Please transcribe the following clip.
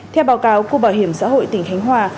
theo báo cáo của bảo hiểm xã hội tỉnh khánh hòa